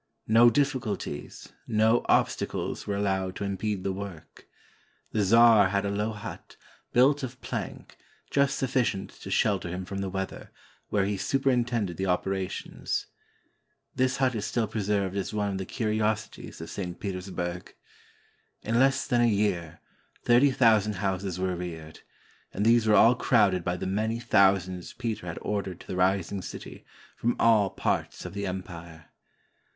No difficulties, no obstacles were allowed to impede the work. The czar had a low hut, built of plank, just sufficient to shelter him from the weather, where he superintended the oper ations. This hut is still preserved as one of the curiosi ties of St. Petersburg. In less than a year, thirty thou sand houses were reared, and these were all crowded by the many thousands Peter had ordered to the rising city, from all parts of the empire.